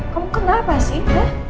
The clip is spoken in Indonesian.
kamu kenapa sih